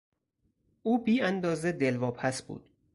او بی اندازه دلواپس بود.